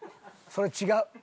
それ違う。